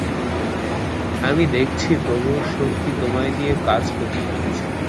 আমি দেখছি প্রভুর শক্তি তোমায় দিয়ে কাজ করিয়ে নিচ্ছে।